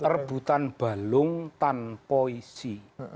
rebutan balung tanpa isi